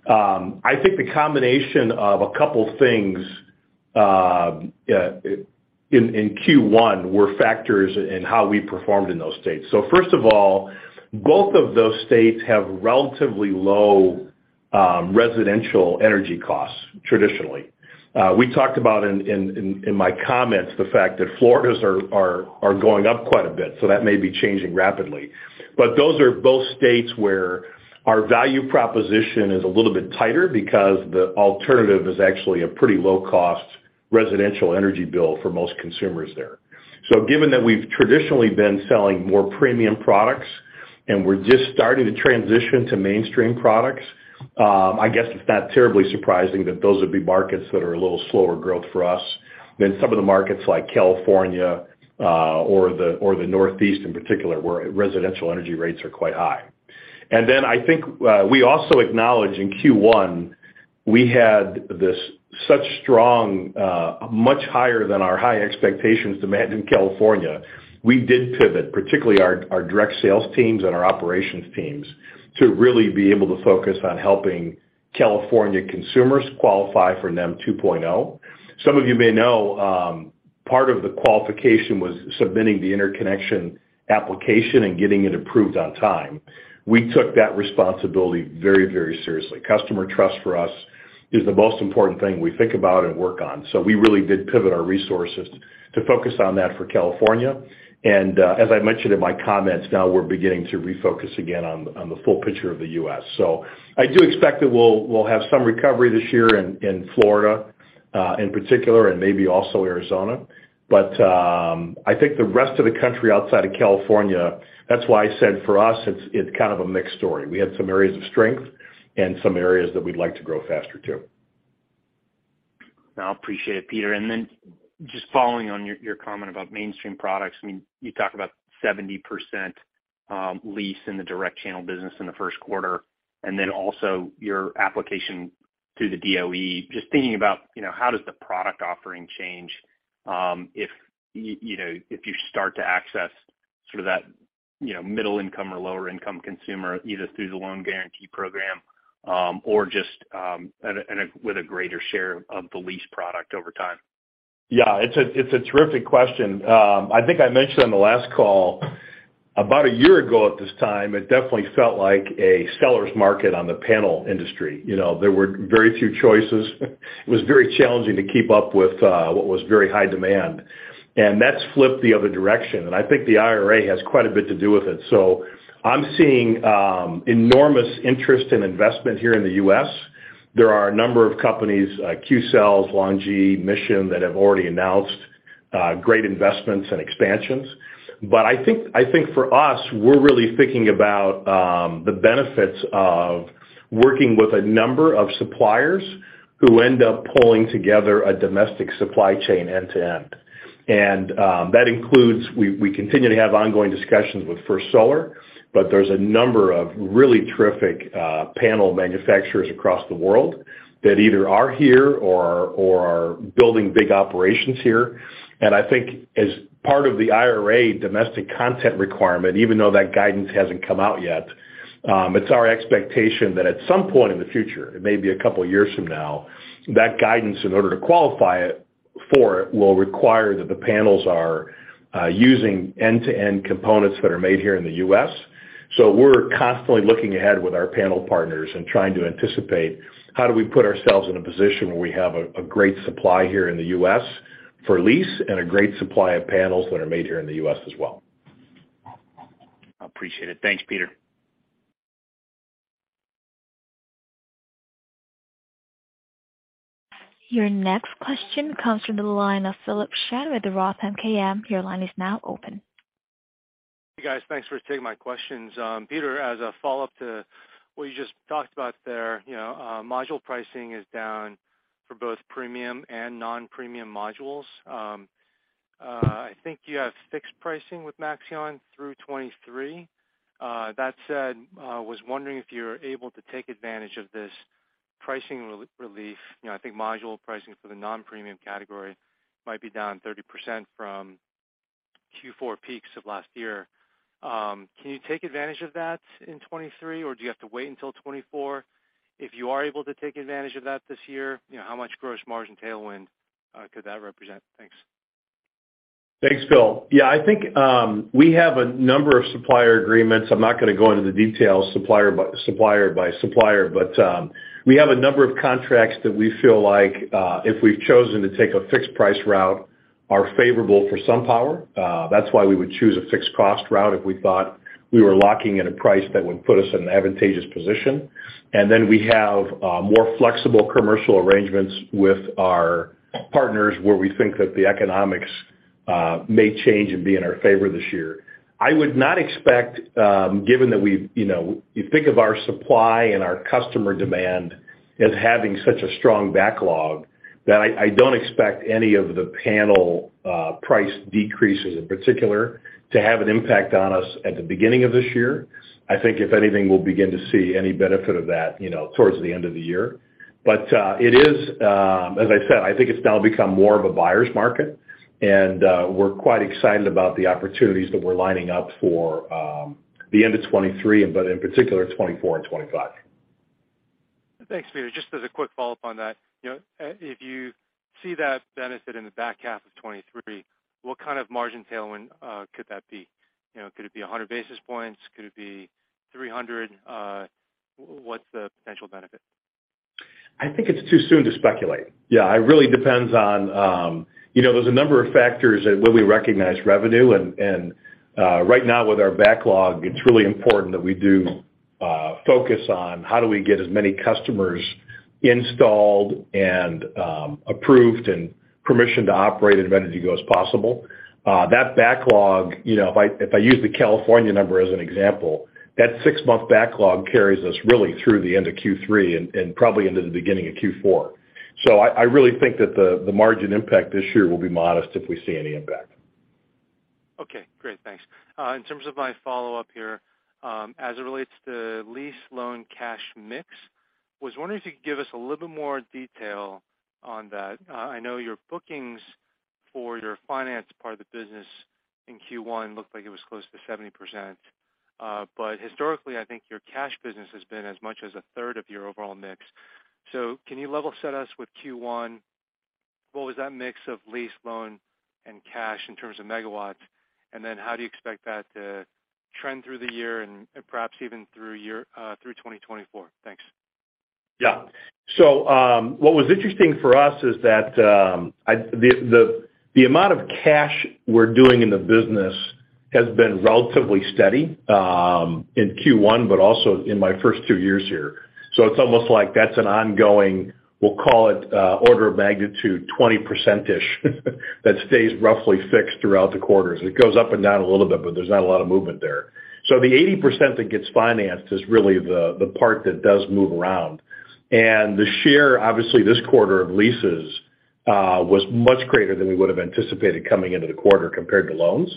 I think the combination of a couple things, in Q1 were factors in how we performed in those states. First of all, both of those states have relatively low, residential energy costs traditionally. We talked about in my comments the fact that Florida's are going up quite a bit, so that may be changing rapidly. Those are both states where our value proposition is a little bit tighter because the alternative is actually a pretty low-cost residential energy bill for most consumers there. Given that we've traditionally been selling more premium products and we're just starting to transition to mainstream products, I guess it's not terribly surprising that those would be markets that are a little slower growth for us than some of the markets like California, or the Northeast in particular, where residential energy rates are quite high. I think we also acknowledge in Q1, we had this such strong, much higher than our high expectations demand in California. We did pivot, particularly our direct sales teams and our operations teams, to really be able to focus on helping California consumers qualify for NEM 2.0. Some of you may know, part of the qualification was submitting the interconnection application and getting it approved on time. We took that responsibility very seriously. Customer trust for us is the most important thing we think about and work on. We really did pivot our resources to focus on that for California. As I mentioned in my comments, now we're beginning to refocus again on the full picture of the U.S. I do expect that we'll have some recovery this year in Florida in particular, and maybe also Arizona. I think the rest of the country outside of California, that's why I said for us it's kind of a mixed story. We have some areas of strength and some areas that we'd like to grow faster, too. I appreciate it, Peter. Just following on your comment about mainstream products. I mean, you talk about 70% lease in the direct channel business in the first quarter, and then also your application through the DOE. Just thinking about, you know, how does the product offering change, if, you know, if you start to access sort of that, you know, middle-income or lower-income consumer, either through the loan guarantee program, or just with a greater share of the lease product over time? Yeah. It's a terrific question. I think I mentioned on the last call, about a year ago at this time, it definitely felt like a seller's market on the panel industry. You know, there were very few choices. It was very challenging to keep up with what was very high demand. That's flipped the other direction, and I think the IRA has quite a bit to do with it. I'm seeing enormous interest and investment here in the US. There are a number of companies, Qcells, LONGi, Mission, that have already announced great investments and expansions. I think for us, we're really thinking about the benefits of working with a number of suppliers who end up pulling together a domestic supply chain end to end. That includes, we continue to have ongoing discussions with First Solar, but there's a number of really terrific panel manufacturers across the world that either are here or are building big operations here. I think as part of the IRA domestic content requirement, even though that guidance hasn't come out yet, it's our expectation that at some point in the future, it may be a couple of years from now, that guidance in order to qualify for it, will require that the panels are using end-to-end components that are made here in the US. We're constantly looking ahead with our panel partners and trying to anticipate how do we put ourselves in a position where we have a great supply here in the US for lease and a great supply of panels that are made here in the US as well. I appreciate it. Thanks, Peter. Your next question comes from the line of Philip Shen with ROTH MKM. Your line is now open. Hey guys, thanks for taking my questions. Peter, as a follow-up to what you just talked about there, you know, module pricing is down for both premium and non-premium modules. I think you have fixed pricing with Maxeon through 2023. That said, was wondering if you're able to take advantage of this pricing relief. You know, I think module pricing for the non-premium category might be down 30% from Q4 peaks of last year. Can you take advantage of that in 2023 or do you have to wait until 2024? If you are able to take advantage of that this year, you know, how much gross margin tailwind could that represent? Thanks. Thanks, Philip Shen. Yeah, I think, we have a number of supplier agreements. I'm not gonna go into the details supplier by supplier. We have a number of contracts that we feel like, if we've chosen to take a fixed price route, are favorable for SunPower. That's why we would choose a fixed cost route if we thought we were locking in a price that would put us in an advantageous position. We have more flexible commercial arrangements with our partners where we think that the economics may change and be in our favor this year. I would not expect, given that we've, you know, you think of our supply and our customer demand as having such a strong backlog that I don't expect any of the panel price decreases in particular to have an impact on us at the beginning of this year. I think if anything, we'll begin to see any benefit of that, you know, towards the end of the year. It is, as I said, I think it's now become more of a buyer's market. We're quite excited about the opportunities that we're lining up for the end of 23 and, but in particular, 24 and 25. Thanks, Peter. Just as a quick follow-up on that. You know, if you see that benefit in the back half of 23, what kind of margin tailwind, could that be? You know, could it be 100 basis points? Could it be 300? What's the potential benefit? I think it's too soon to speculate. Yeah, it really depends on, you know, there's a number of factors that when we recognize revenue and right now with our backlog, it's really important that we do focus on how do we get as many customers installed and approved and permission to operate in EnergyLink as possible. That backlog, you know, if I, if I use the California number as an example, that 6-month backlog carries us really through the end of Q3 and probably into the beginning of Q4. I really think that the margin impact this year will be modest if we see any impact. Okay, great. Thanks. In terms of my follow-up here, as it relates to lease loan cash mix, was wondering if you could give us a little bit more detail on that. I know your bookings for your finance part of the business in Q1 looked like it was close to 70%. Historically, I think your cash business has been as much as a third of your overall mix. Can you level set us with Q1? What was that mix of lease, loan, and cash in terms of megawatts? How do you expect that to trend through the year and perhaps even through 2024? Thanks. Yeah. What was interesting for us is that the amount of cash we're doing in the business has been relatively steady in Q1, but also in my first two years here. It's almost like that's an ongoing, we'll call it, order of magnitude 20%-ish that stays roughly fixed throughout the quarters. It goes up and down a little bit, but there's not a lot of movement there. The 80% that gets financed is really the part that does move around. The share, obviously, this quarter of leases was much greater than we would've anticipated coming into the quarter compared to loans.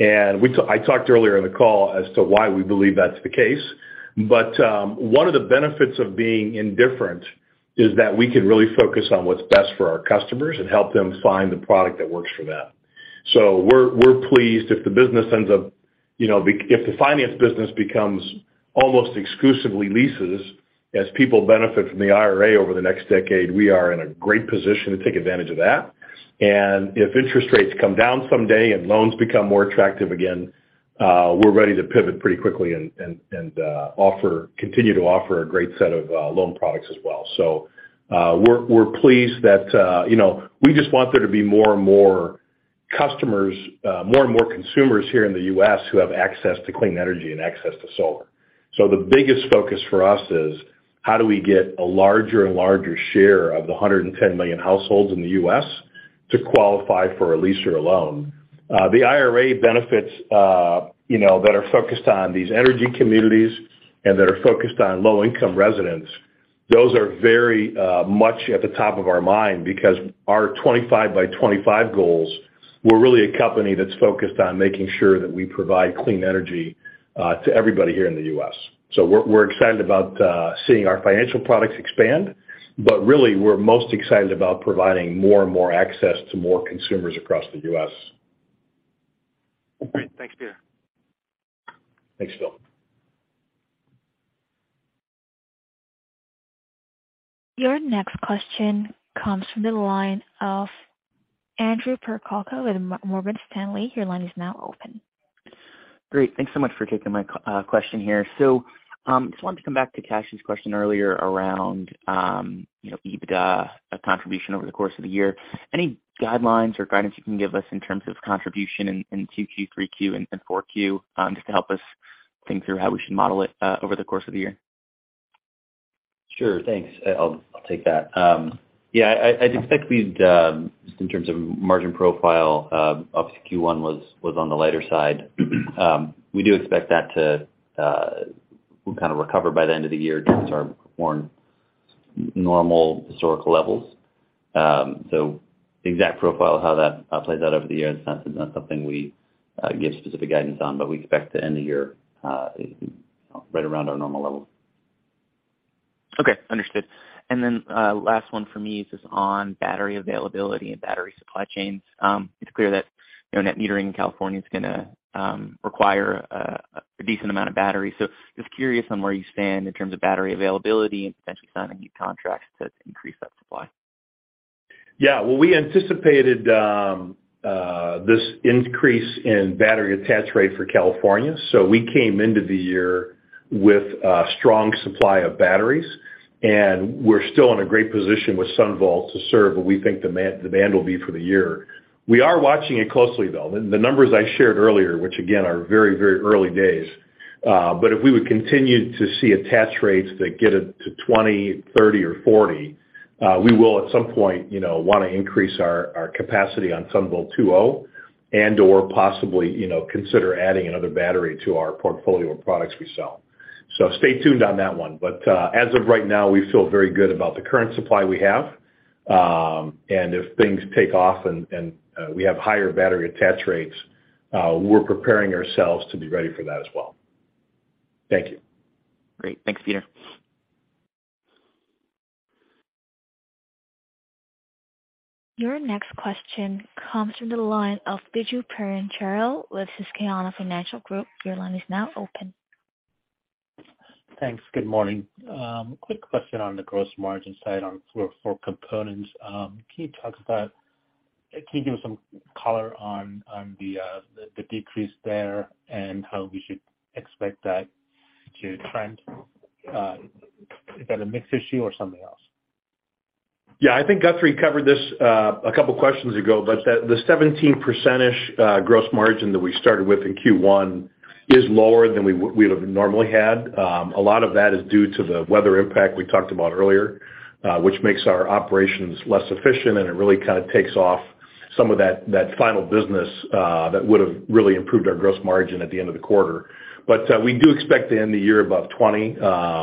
I talked earlier in the call as to why we believe that's the case. One of the benefits of being indifferent is that we can really focus on what's best for our customers and help them find the product that works for them. We're pleased if the finance business becomes almost exclusively leases as people benefit from the IRA over the next decade, we are in a great position to take advantage of that. If interest rates come down someday and loans become more attractive again, we're ready to pivot pretty quickly and continue to offer a great set of loan products as well. We're pleased that we just want there to be more and more customers, more and more consumers here in the US who have access to clean energy and access to solar. The biggest focus for us is how do we get a larger and larger share of the 110 million households in the US to qualify for a lease or a loan. The IRA benefits, you know, that are focused on these energy communities and that are focused on low-income residents, those are very much at the top of our mind because our 25X25 goals, we're really a company that's focused on making sure that we provide clean energy to everybody here in the US. We're, we're excited about seeing our financial products expand, but really we're most excited about providing more and more access to more consumers across the US. Great. Thanks, Peter. Thanks, Phil. Your next question comes from the line of Andrew Percoco with Morgan Stanley. Your line is now open. Great. Thanks so much for taking my question here. Just wanted to come back to Kashy's question earlier around, you know, EBITDA contribution over the course of the year. Any guidelines or guidance you can give us in terms of contribution in 2Q, 3Q and 4Q, just to help us think through how we should model it over the course of the year? Sure. Thanks. I'll take that. Yeah, I'd expect we'd just in terms of margin profile, obviously Q1 was on the lighter side. We do expect that to kind of recover by the end of the year to start more normal historical levels. The exact profile of how that plays out over the year is not something we give specific guidance on, but we expect the end of year right around our normal level. Okay, understood. Last one for me is just on battery availability and battery supply chains. It's clear that, you know, net metering in California is gonna require a decent amount of battery. Just curious on where you stand in terms of battery availability and potentially signing new contracts to increase that supply. Yeah. Well, we anticipated this increase in battery attach rate for California. We came into the year with a strong supply of batteries, and we're still in a great position with SunVault to serve what we think demand will be for the year. We are watching it closely, though. The numbers I shared earlier, which again, are very, very early days, but if we would continue to see attach rates that get it to 20%, 30% or 40%, we will at some point, you know, wanna increase our capacity on SunVault 2.0 and/or possibly, you know, consider adding another battery to our portfolio of products we sell. Stay tuned on that one. As of right now, we feel very good about the current supply we have. If things take off and we have higher battery attach rates, we're preparing ourselves to be ready for that as well. Thank you. Great. Thanks, Peter. Your next question comes from the line of Biju Perincheril with Susquehanna Financial Group. Your line is now open. Thanks. Good morning. Quick question on the gross margin side on solar for components. Can you give some color on the decrease there and how we should expect that to trend? Is that a mix issue or something else? Yeah, I think Guthrie covered this a couple of questions ago, but the 17%-ish gross margin that we started with in Q1 is lower than we would have normally had. A lot of that is due to the weather impact we talked about earlier, which makes our operations less efficient, and it really kinda takes off some of that final business that would have really improved our gross margin at the end of the quarter. We do expect to end the year above 20.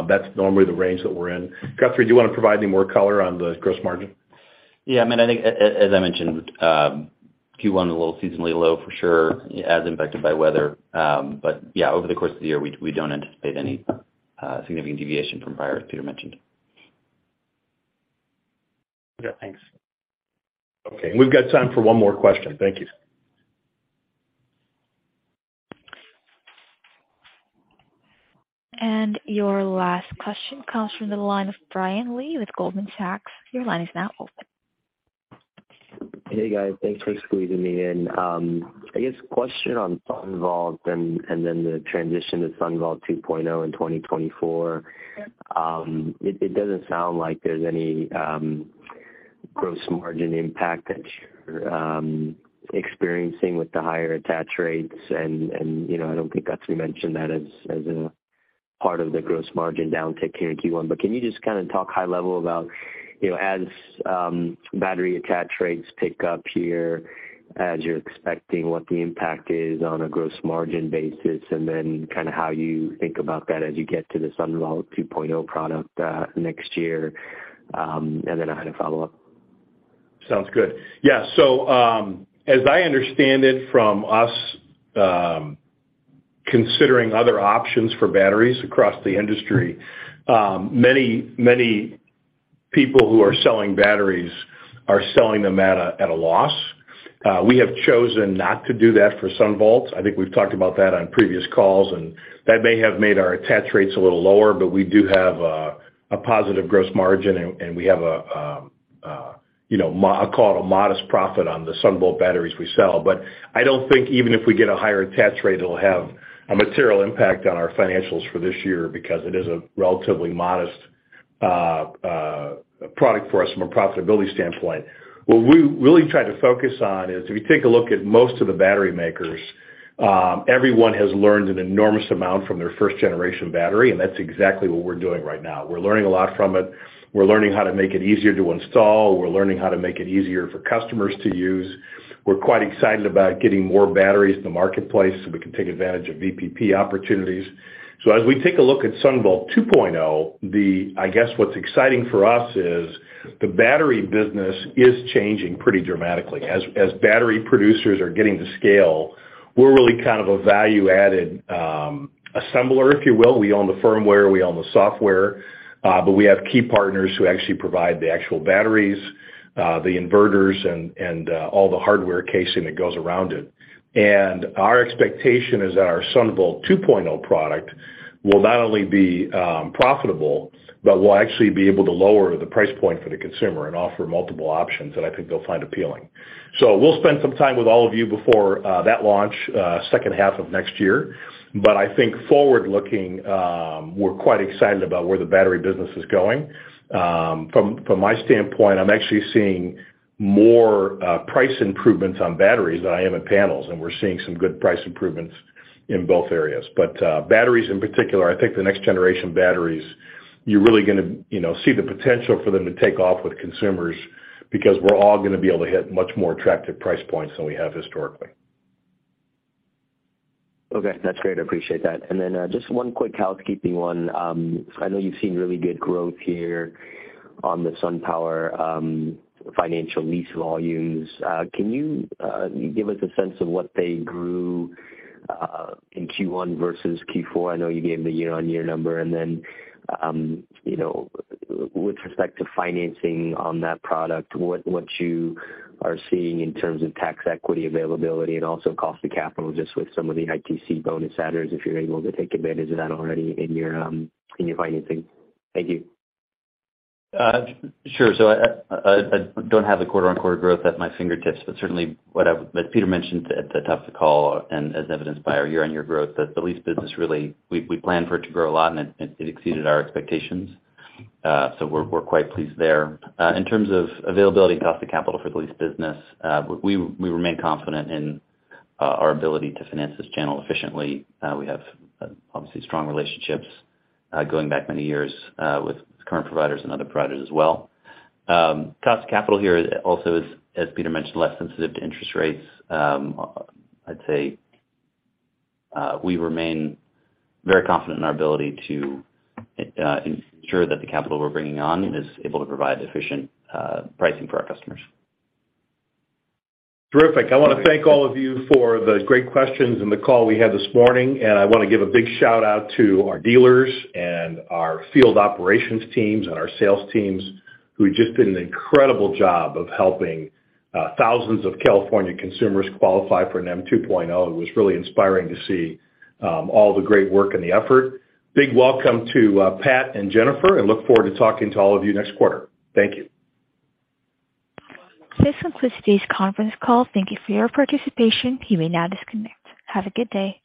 That's normally the range that we're in. Guthrie, do you wanna provide any more color on the gross margin? Yeah. I mean, I think as I mentioned, Q1 a little seasonally low for sure as impacted by weather. Yeah, over the course of the year, we don't anticipate any significant deviation from prior, as Peter mentioned. Okay, thanks. Okay. We've got time for one more question. Thank you. Your last question comes from the line of Brian Lee with Goldman Sachs. Your line is now open. Hey, guys. Thanks for squeezing me in. I guess question on SunVault and then the transition to SunVault 2.0 in 2024. It, it doesn't sound like there's any gross margin impact that you're experiencing with the higher attach rates. You know, I don't think Guthrie mentioned that as a part of the gross margin downtick here in Q1. Can you just kinda talk high level about, you know, as battery attach rates pick up here as you're expecting, what the impact is on a gross margin basis, and then kinda how you think about that as you get to the SunVault 2.0 product next year? I had a follow-up. Sounds good. Yeah. As I understand it from us, considering other options for batteries across the industry, many people who are selling batteries are selling them at a loss. We have chosen not to do that for SunVault. I think we've talked about that on previous calls, and that may have made our attach rates a little lower. We do have a positive gross margin, and we have a, you know, I'll call it a modest profit on the SunVault batteries we sell. I don't think even if we get a higher attach rate, it'll have a material impact on our financials for this year because it is a relatively modest product for us from a profitability standpoint. What we really try to focus on is if you take a look at most of the battery makers, everyone has learned an enormous amount from their first generation battery. That's exactly what we're doing right now. We're learning a lot from it. We're learning how to make it easier to install. We're learning how to make it easier for customers to use. We're quite excited about getting more batteries in the marketplace so we can take advantage of VPP opportunities. As we take a look at SunVault 2.0, I guess what's exciting for us is the battery business is changing pretty dramatically. As battery producers are getting to scale, we're really kind of a value-added assembler, if you will. We own the firmware, we own the software, but we have key partners who actually provide the actual batteries, the inverters and all the hardware casing that goes around it. Our expectation is that our SunVault 2.0 product will not only be profitable, but will actually be able to lower the price point for the consumer and offer multiple options that I think they'll find appealing. We'll spend some time with all of you before that launch, second half of next year. I think forward-looking, we're quite excited about where the battery business is going. From my standpoint, I'm actually seeing more price improvements on batteries than I am in panels, and we're seeing some good price improvements in both areas. Batteries in particular, I think the next generation batteries, you're really gonna, you know, see the potential for them to take off with consumers because we're all gonna be able to hit much more attractive price points than we have historically. Okay. That's great. I appreciate that. just one quick housekeeping one. I know you've seen really good growth here on the SunPower financial lease volumes. Can you give us a sense of what they grew in Q1 versus Q4? I know you gave the year-on-year number. You know, with respect to financing on that product, what you are seeing in terms of tax equity availability and also cost of capital, just with some of the ITC bonus adders, if you're able to take advantage of that already in your financing? Thank you. Sure. I don't have the quarter-on-quarter growth at my fingertips, but certainly as Peter mentioned at the top of the call and as evidenced by our year-on-year growth that the lease business really, we plan for it to grow a lot and it exceeded our expectations. We're quite pleased there. In terms of availability and cost of capital for the lease business, we remain confident in our ability to finance this channel efficiently. We have obviously strong relationships going back many years with current providers and other providers as well. Cost of capital here also is, as Peter mentioned, less sensitive to interest rates. I'd say, we remain very confident in our ability to ensure that the capital we're bringing on is able to provide efficient pricing for our customers. Terrific. I wanna thank all of you for the great questions and the call we had this morning. I wanna give a big shout-out to our dealers and our field operations teams and our sales teams who have just did an incredible job of helping thousands of California consumers qualify for NEM 2.0. It was really inspiring to see all the great work and the effort. Big welcome to Pat and Jennifer. Look forward to talking to all of you next quarter. Thank you. This concludes today's conference call. Thank you for your participation. You may now disconnect. Have a good day.